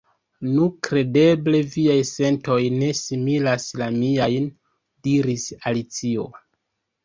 "Nu, kredeble viaj sentoj ne similas la miajn," diris Alicio.